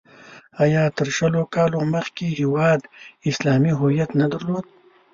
آیا تر شلو کالو مخکې هېواد اسلامي هویت نه درلود؟